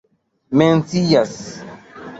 mencias